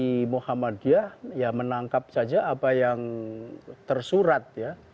dan kami di muhammadiyah ya menangkap saja apa yang tersurat ya